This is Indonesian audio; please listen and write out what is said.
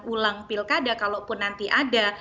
ulang pilkada kalaupun nanti ada